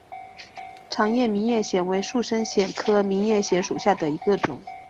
长尖明叶藓为树生藓科明叶藓属下的一个种。